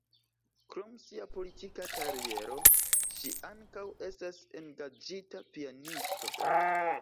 Krom sia politika kariero, ŝi ankaŭ estas engaĝita pianisto.